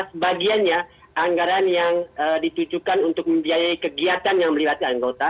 sebagiannya anggaran yang ditujukan untuk membiayai kegiatan yang melibatkan anggota